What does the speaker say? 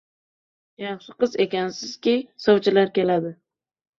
Yaxshi qiz ekan- sizki, sovchilar keladi.